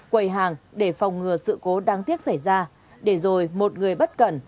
quầy hàng để phòng ngừa sự cố đáng tiếc xảy ra để rồi một người bất cẩn